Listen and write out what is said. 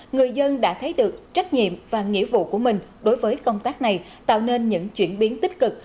người dân đã thấy được trách nhiệm và nghĩa vụ của mình đối với công tác này tạo nên những chuyển biến tích cực